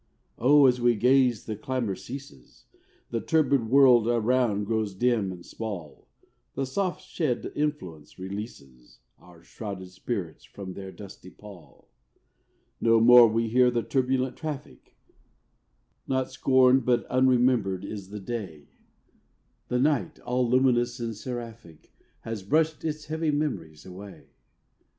O, as we gaze the clamour ceases, The turbid world around grows dim and small, The soft shed influence releases Our shrouded spirits from their dusty pall. No more we hear the turbulent traffic, Not scorned but unremembered is the day; The Night, all luminous and seraphic, Has brushed its heavy memories away.